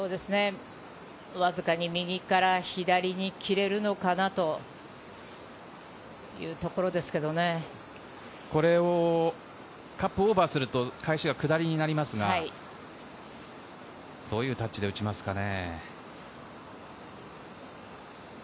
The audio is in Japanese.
わずかに右から左に切れるのかなというところですけれど、このカップをオーバーすると返しが下りになりますが、どういうタッチで打ちますかね。